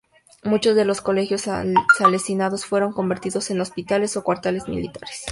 Muchos de los colegios salesianos fueron convertidos en hospitales o cuarteles militares.